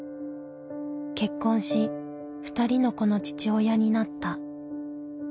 結婚し２人の子の父親になった。